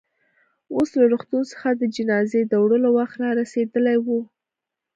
اوس له روغتون څخه د جنازې د وړلو وخت رارسېدلی و.